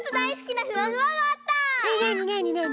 なに？